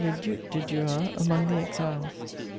le Duc de Duras among the exiles.